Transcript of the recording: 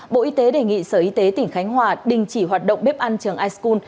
bộ y tế đề nghị sở y tế tỉnh khánh hòa đình chỉ hoạt động bếp ăn trường ischul